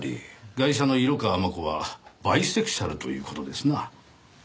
ガイシャの色川真子はバイセクシャルという事ですな。